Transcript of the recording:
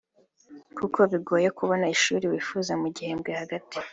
kuko bigoye kubona ishuri wifuza mu gihembwe hagati